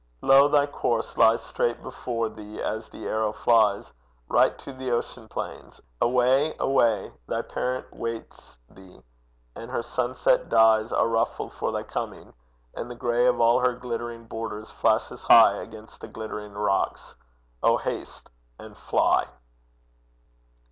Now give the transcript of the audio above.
Lo, thy course Lies straight before thee as the arrow flies, Right to the ocean plains. Away, away! Thy parent waits thee, and her sunset dyes Are ruffled for thy coming, and the gray Of all her glittering borders flashes high Against the glittering rocks: oh, haste, and fly!